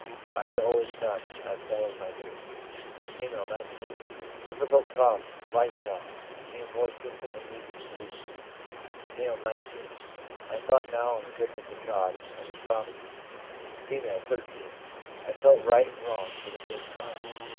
I had always done as well as I knew/ F., 19. ' Difficult problems (life problems) became more simple and easy to believe/ M., 19. 'I thought now on the goodness of God and His promises/ F., 13. ' I felt right and wrong for the first time.